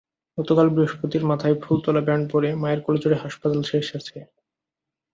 গতকাল বৃহস্পতিবার মাথায় ফুলতোলা ব্যান্ড পরে মায়ের কোলে চড়ে হাসপাতাল ছেড়েছে সে।